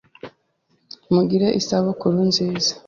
Mugire isabukuru nziza